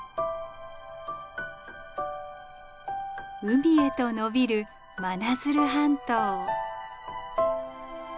海へと延びる真鶴半島。